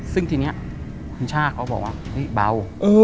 ซึ่งทีนี้คุณช่าเขาบอกว่าเฮ้ยเบา